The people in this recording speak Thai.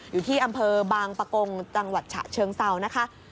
อยู่ที่อำเภอบางปะกงจังหวัดฉะเชิงเซานะคะ